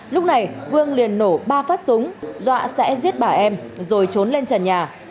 lúc này vương liền nổ ba phát súng dọa sẽ giết bà em rồi trốn lên trần nhà